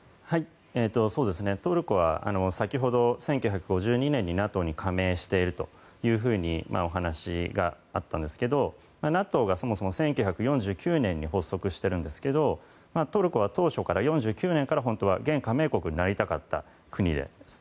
トルコは先ほど１９５２年にＮＡＴＯに加盟しているとお話があったんですがＮＡＴＯがそもそも１９４９年に発足しているんですけどトルコは４９年から現加盟国になりたかった国です。